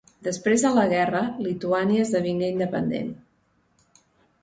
Després de la guerra, Lituània esdevingué independent.